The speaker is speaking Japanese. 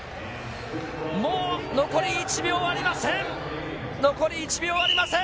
もう残り１秒ありません。